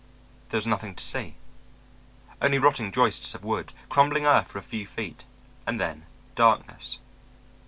There was nothing to see; only rotting joists of wood, crumbling earth for a few feet, and then darkness.